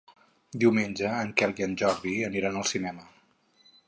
Diumenge en Quel i en Jordi aniran al cinema.